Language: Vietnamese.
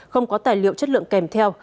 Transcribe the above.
không có tài liệu chất lượng kèm theo